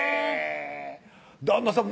旦那さん